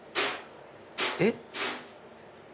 えっ？